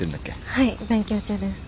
はい勉強中です。